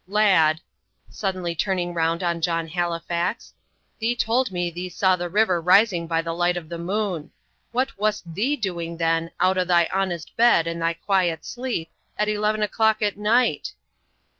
"Lad," suddenly turning round on John Halifax, "thee told me thee saw the river rising by the light of the moon. What wast THEE doing then, out o' thy honest bed and thy quiet sleep, at eleven o'clock at night?"